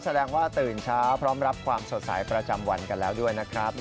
แสดงว่าตื่นเช้าพร้อมรับความสดใสประจำวันกันแล้วด้วยนะครับ